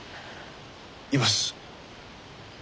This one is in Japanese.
います。